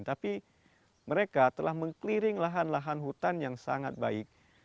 tapi mereka telah meng clearing lahan lahan hutan yang sangat baik